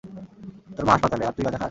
তোর মা হাসপাতালে, আর তুই গাজা খাস?